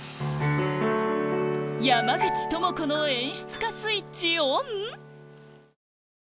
山口智子の演出家スイッチオン